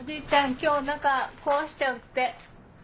今日中壊しちゃうって。